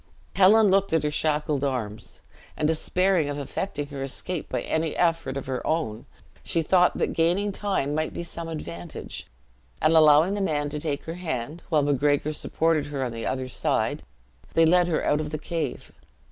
Helen looked at her shackled arms, and despairing of effecting her escape by any effort of her own, she thought that gaining time might be some advantage; and allowing the man to take her hand, while Macgregor supported her on the other side, they led her out of the cave.